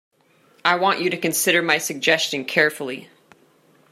I want you to consider my suggestion carefully.